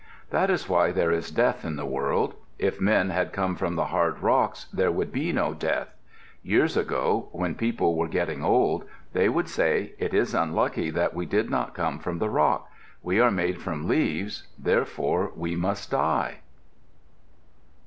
That is why there is death in the world. If men had come from the hard rocks there would be no death. Years ago, when people were getting old, they would say, "It is unlucky that we did not come from the rock. We are made from leaves; therefore we must die."